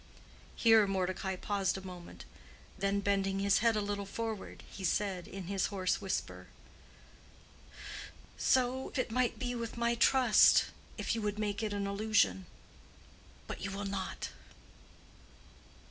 Here Mordecai paused a moment. Then bending his head a little forward, he said, in his hoarse whisper, "_So it might be with my trust, if you would make it an illusion. But you will not.